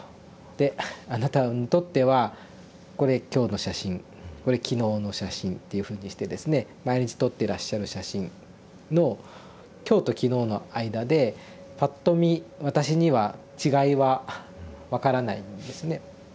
で「あなたにとってはこれ今日の写真これ昨日の写真」っていうふうにしてですね毎日撮っていらっしゃる写真の今日と昨日の間でぱっと見私には違いは分からないんですね。